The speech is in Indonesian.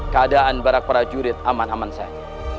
keadaan barak prajurit aman aman saja